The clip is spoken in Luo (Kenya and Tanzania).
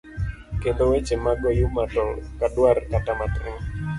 Kendo weche mag oyuma to ok adwar kata matin.